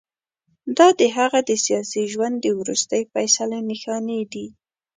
دا د هغه د سیاسي ژوند د وروستۍ فیصلې نښانې دي.